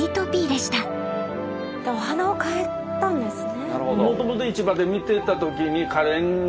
お花をかえたんですね。